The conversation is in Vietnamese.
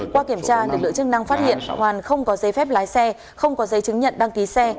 qua kiểm tra lực lượng chức năng phát hiện hoàn không có giấy phép lái xe không có giấy chứng nhận đăng ký xe